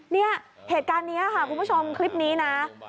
เนี่ยเหตุการณ์นี้ค่ะคุณผู้ชมคลิปนี้นะ